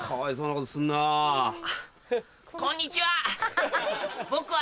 こんにちは！